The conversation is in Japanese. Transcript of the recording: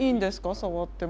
触っても。